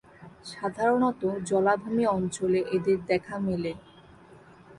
সাধারণত জলাভূমি অঞ্চলে এদের দেখা মেলে।